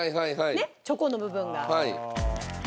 ねっチョコの部分が。